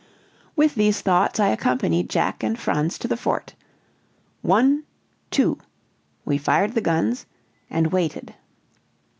With these thoughts I accompanied Jack and Franz to the fort. One two we fired the guns and waited.